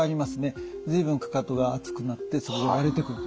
随分かかとが厚くなってそこが割れてくると。